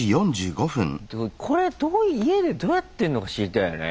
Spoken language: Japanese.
これ家でどうやってんのか知りたいよね。